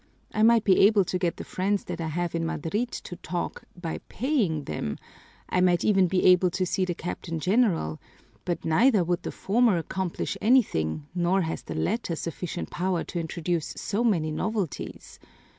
I might be able to get the friends that I have in Madrid to talk, by paying them; I might even be able to see the Captain General; but neither would the former accomplish anything nor has the latter sufficient power to introduce so many novelties.